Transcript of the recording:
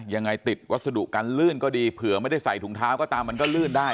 ยังไงติดวัสดุกันลื่นก็ดีเผื่อไม่ได้ใส่ถุงเท้าก็ตามมันก็ลื่นได้